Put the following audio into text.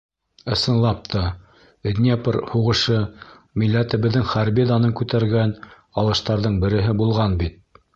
Ысынлап та, Днепр һуғышы милләтебеҙҙең хәрби данын күтәргән алыштарҙың береһе булған бит.